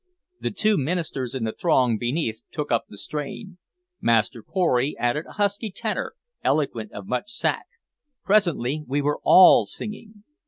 The two ministers in the throng beneath took up the strain; Master Pory added a husky tenor, eloquent of much sack; presently we were all singing.